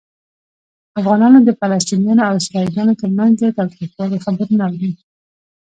افغانان د فلسطینیانو او اسرائیلیانو ترمنځ د تاوتریخوالي خبرونه اوري.